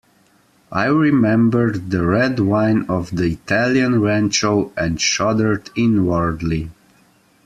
I remembered the red wine of the Italian rancho, and shuddered inwardly.